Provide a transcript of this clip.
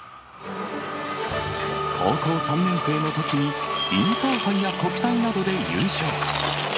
高校３年生のときにインターハイや国体などで優勝。